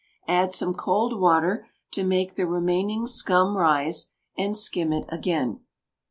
Add some cold water to make the remaining scum rise, and skim it again.